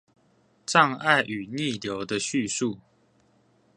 障礙與逆流的敘述